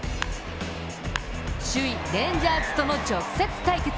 首位レンジャーズとの直接対決。